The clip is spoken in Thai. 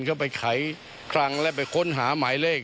เข้าไปไขคลังและไปค้นหาหมายเลข